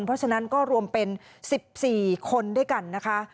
เพราะฉะนั้นก็รวมเป็น๑๔คนด้วยกันนะคะ